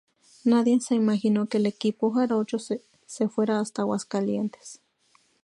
Nadie se imaginó que el equipo jarocho se fuera hasta Aguascalientes.